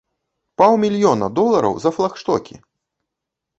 Паўмільёна долараў за флагштокі!